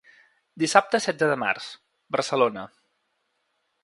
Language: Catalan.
Dissabte setze de març— Barcelona.